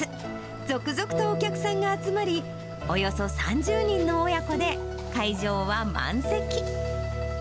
続々とお客さんが集まり、およそ３０人の親子で会場は満席。